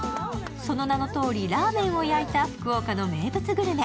その名のとおりラーメンを焼いた福岡の名物グルメ。